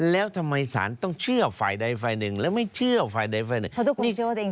แล้วทำไมสารต้องเชื่อไฟใดไฟหนึ่งและไม่เชื่อไฟใดไฟหนึ่ง